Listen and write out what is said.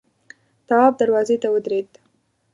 تواب دروازې ته ودرېد.